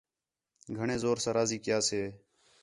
گھݨیں زور ساں راضی کَیا سے